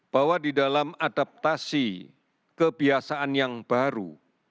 bahwa di dalam adaptasi kebiasaan yang baru